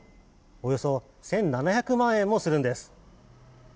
およそ１７００万円もするんです。